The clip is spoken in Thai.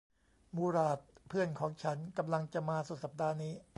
มูหราดเพื่อนของฉันกำลังจะมาสุดสัปดาห์นี้